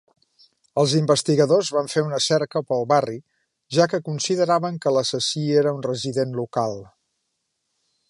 Els investigadors van fer una cerca pel barri, ja que consideraven que l'assassí era un resident local.